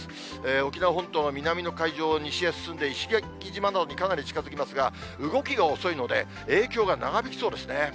沖縄本島の南の海上を西へ進んで、石垣島などにかなり近づきますが、動きが遅いので、影響が長引きそうですね。